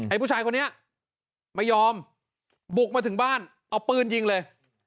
ผู้ชายคนนี้ไม่ยอมบุกมาถึงบ้านเอาปืนยิงเลย